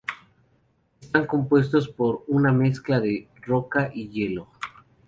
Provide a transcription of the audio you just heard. Están compuestos por una mezcla de roca y hielo.